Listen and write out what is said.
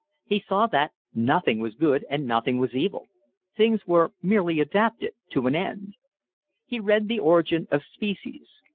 He saw that nothing was good and nothing was evil; things were merely adapted to an end. He read The Origin of Species.